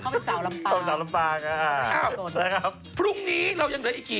เขาเป็นสาวลำปาก